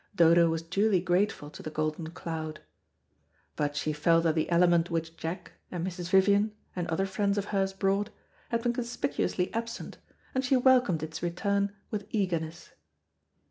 Dodo was duly grateful to the golden cloud. But she felt that the element which Jack, and Mrs. Vivian, and other friends of hers brought, had been conspicuously absent, and she welcomed its return with eagerness.